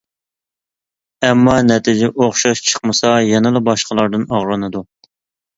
ئەمما، نەتىجە ئوخشاش چىقمىسا يەنىلا باشقىلاردىن ئاغرىنىدۇ.